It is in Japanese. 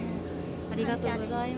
ありがとうございます。